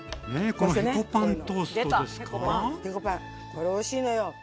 凹パンこれおいしいのよ。